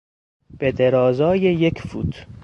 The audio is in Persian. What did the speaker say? به درازای یک فوت